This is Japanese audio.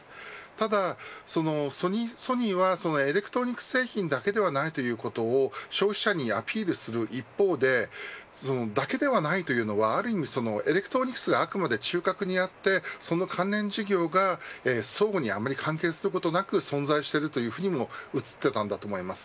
ただ、そのソニーはエレクトロニクス製品だけではないということ消費者にアピールする一方でそれだけではないというのはある意味エレクトロニクスが中核にあってその関連事業が相互にあまり関係することなく存在しているふうにも映っていたんだと思います。